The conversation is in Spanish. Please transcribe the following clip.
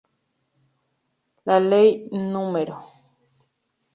La Ley Núm.